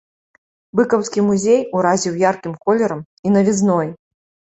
Быкаўскі музей уразіў яркім колерам і навізной.